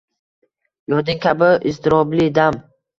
Yoding kabi iztirobli dam